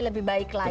lebih baik lagi